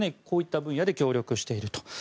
こういった分野で協力している。